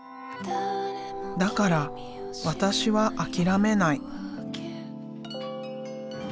だからわたしは諦めない」。